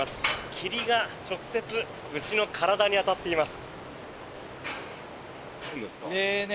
霧が直接牛の体に当たっています。